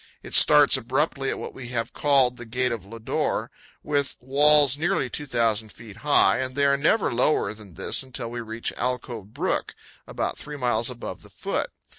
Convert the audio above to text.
It starts abruptly at what we have called the Gate of Lodore, with walls nearly 2,000 feet high, and they are never lower than this until we reach Alcove Brook, about three miles above the foot.